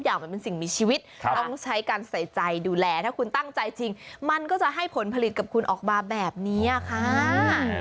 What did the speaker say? มันเป็นสิ่งมีชีวิตต้องใช้การใส่ใจดูแลถ้าคุณตั้งใจจริงมันก็จะให้ผลผลิตกับคุณออกมาแบบนี้ค่ะ